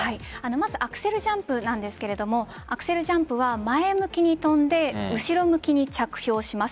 まずアクセルジャンプなんですがアクセルジャンプは前向きに跳んで後ろ向きに着氷します。